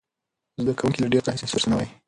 زده کوونکي له ډېر وخت راهیسې درسونه وایي.